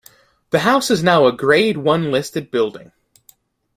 The house is now a grade one listed building.